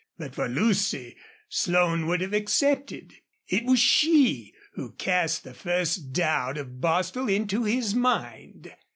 But for Lucy, Slone would have accepted. It was she who cast the first doubt of Bostil into his mind.